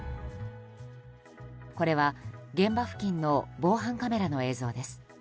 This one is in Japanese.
これは現場付近の防犯カメラの映像です。